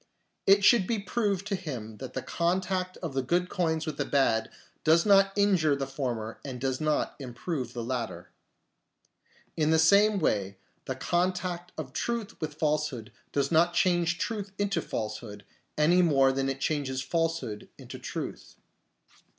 It should be proved to him that the contact of the good coins with the bad does not injure the former and does not improve the latter. In the same way the contact of truth with falsehood does not change truth into falsehood, any more than it changes falsehood into truth.